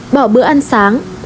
một bỏ bữa ăn sáng